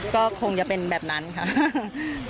ก็คงจะเป็นแบบนั้นค่ะ